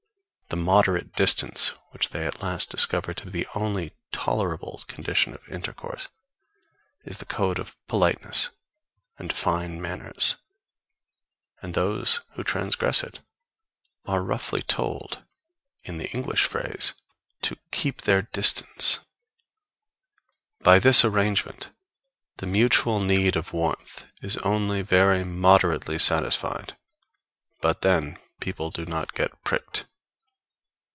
The moderate distance which they at last discover to be the only tolerable condition of intercourse, is the code of politeness and fine manners; and those who transgress it are roughly told in the English phrase to keep their distance. By this arrangement the mutual need of warmth is only very moderately satisfied; but then people do not get pricked.